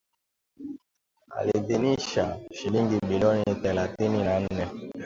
aliidhinisha shilingi bilioni thelathini na nne